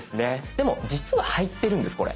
でも実は入ってるんですこれ。